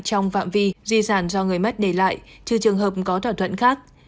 trong phạm vi di sản do người mất để lại trừ trường hợp có thỏa thuận khác